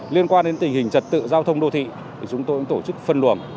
liên quan đến tình hình trật tự giao thông đô thị thì chúng tôi cũng tổ chức phân luồng